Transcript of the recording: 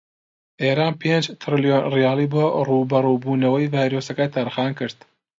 ئێران پێنج تریلۆن ڕیالی بۆ ڕووبەڕوو بوونەوەی ڤایرۆسەکە تەرخانکرد.